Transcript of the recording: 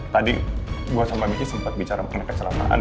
tadi gue sama miki sempat bicara mengenai kesalahan